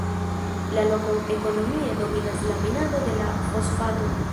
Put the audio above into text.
La lokon ekonomie dominas la minado de la fosfato.